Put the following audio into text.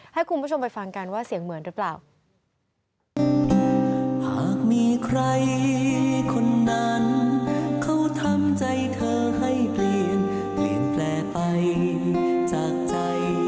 ให้คุณผู้ชมไปฟังกันว่าเสียงเหมือนหรือเปล่า